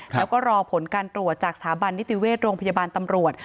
แล้วก็รอผลการตรวจจากสถาบันนิติเวชโรงพยาบาลตำรวจ